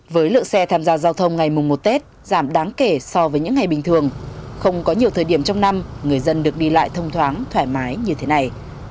với lượng xe tham gia giao thông ngày mùng một tết giảm đáng kể so với những ngày bình thường không có nhiều thời điểm trong năm người dân được đi lại thông thoáng thoải mái như thế này